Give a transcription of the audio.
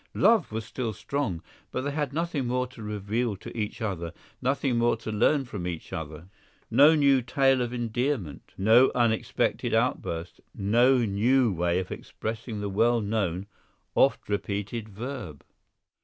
Love was still strong, but they had nothing more to reveal to each other, nothing more to learn from each other, no new tale of endearment, no unexpected outburst, no new way of expressing the well known, oft repeated verb.